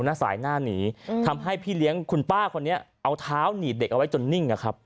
หน้าสายหน้าหนีทำให้พี่เลี้ยงคุณป้าคนนี้เอาเท้าหนีบเด็กเอาไว้จนนิ่งนะครับ